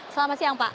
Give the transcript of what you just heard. selamat siang pak